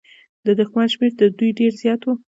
د دښمن شمېر تر دوی ډېر زيات و.